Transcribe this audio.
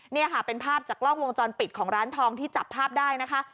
นี่ค่ะเป็นภาพจากกล้องวงจรปิดของร้านทองที่จับภาพได้นะคะ